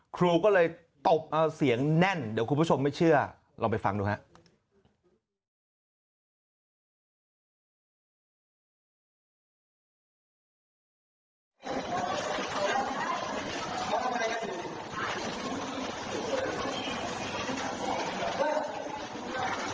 ครูก็เลยตบเอาเสียงแน่นเดี๋ยวคุณผู้ชมไม่เชื่อลองไปฟังดูครับ